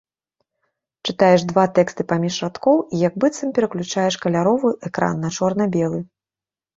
Чытаеш два тэксты паміж радкоў і як быццам пераключаеш каляровы экран на чорна-белы.